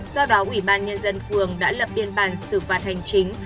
do đó ủy ban nhân dân phường đã lập biên bản xử phạt hành chính